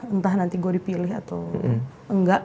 entah nanti gue dipilih atau enggak